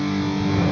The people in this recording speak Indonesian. ya allah opi